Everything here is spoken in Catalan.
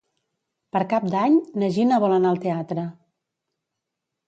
Per Cap d'Any na Gina vol anar al teatre.